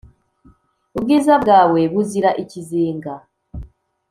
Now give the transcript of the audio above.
Ubwiza bwawe buzira ikizinga